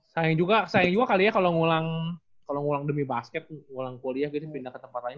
sayang juga kali ya kalau ngulang demi basket kalian bisa abi yakin putus